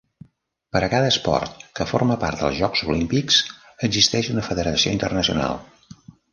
Per a cada esport que forma part dels Jocs Olímpics, existeix una federació internacional.